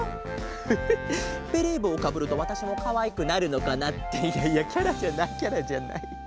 フフベレーぼうをかぶるとわたしもかわいくなるのかな。っていやいやキャラじゃないキャラじゃない。